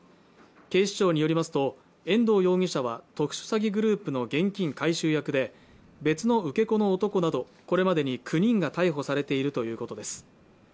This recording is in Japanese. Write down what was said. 警視庁によりますと遠藤容疑者は特殊詐欺グループの現金回収役で別の受け子の男などこれまでに９人が逮捕されているということです